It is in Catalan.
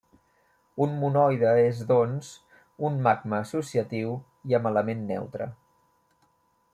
Un monoide és doncs, un magma associatiu i amb element neutre.